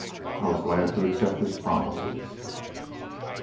I was glad to accept his promises.